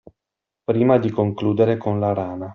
Prima di concludere con la rana